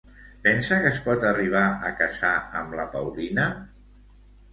Pensa que es pot arribar a casar amb la Paulina?